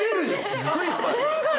すごいいっぱい！